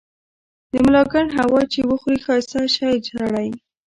د ملاکنډ هوا چي وخوري ښايسته شی سړے